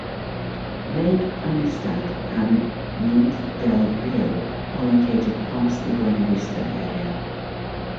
Lake Amistad and North Del Rio are located past the Buena Vista area.